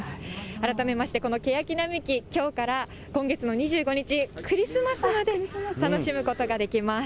改めまして、このケヤキ並木、きょうから今月の２５日クリスマスまで楽しむことができます。